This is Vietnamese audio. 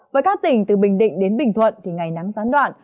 với các tỉnh từ bình định đến bình thuận thì ngày nắng gián đoạn